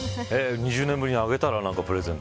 ２０年ぶりにあげたら何か、プレゼント。